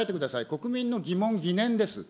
国民の疑問、疑念です。